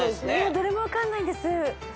どれも分かんないです。